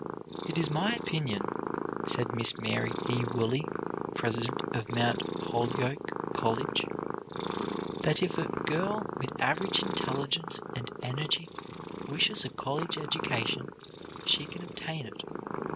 "It is my opinion," said Miss Mary E. Woolley, president of Mount Holyoke College, "that, if a girl with average intelligence and energy wishes a college education, she can obtain it.